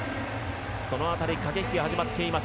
その辺り、駆け引きが始まっています。